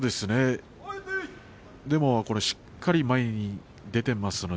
でもしっかり前に出ています。